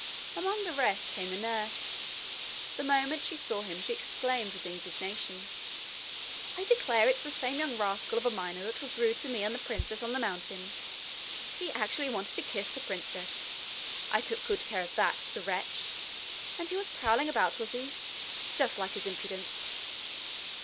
Amongst the rest came the nurse. The moment she saw him she exclaimed with indignation: 'I declare it's the same young rascal of a miner that was rude to me and the princess on the mountain. He actually wanted to kiss the princess. I took good care of that the wretch! And he was prowling about, was he? Just like his impudence!'